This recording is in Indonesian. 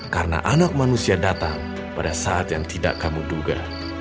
karena anak manusia datang pada saat yang tidak kamu duga